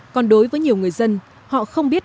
còn đối với nhiều người dân họ không biết